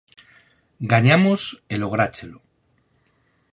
Gañamos e lográchelo.